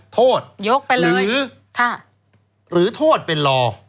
โทษหรือโทษเป็นรอ